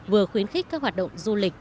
vừa khuyến khích các hoạt động du lịch